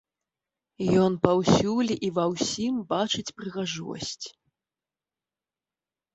Ён паўсюль і ва ўсім бачыць прыгажосць.